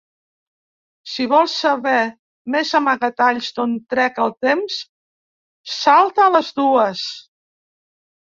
Si vols saber més amagatalls d'on trec el temps, salta a les dues.